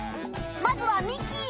まずはミキ！